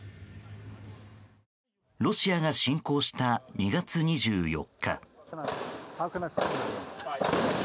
ロシアが侵攻した２月２４日。